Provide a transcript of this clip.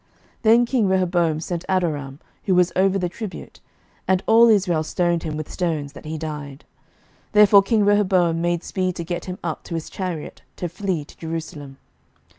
11:012:018 Then king Rehoboam sent Adoram, who was over the tribute; and all Israel stoned him with stones, that he died. Therefore king Rehoboam made speed to get him up to his chariot, to flee to Jerusalem.